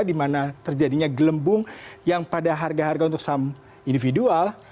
di mana terjadinya gelembung yang pada harga harga untuk saham individual